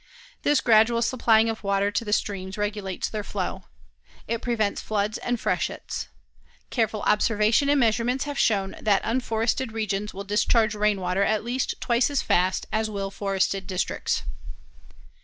This gradual supplying of water to the streams regulates their flow. It prevents floods and freshets. Careful observation and measurements have shown that unforested regions will discharge rain water at least twice as fast as will forested districts.